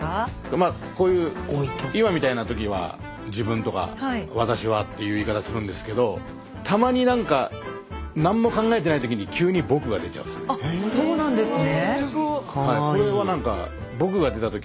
まあこういう今みたいな時は「自分」とか「わたしは」っていう言い方するんですけどたまになんかあっそうなんですね。